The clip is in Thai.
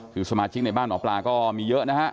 คือสมาชิกในบ้านหมอปลาก็มีเยอะนะฮะ